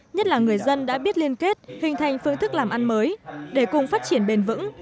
nhất là người dân đã biết liên kết hình thành phương thức làm ăn mới để cùng phát triển bền vững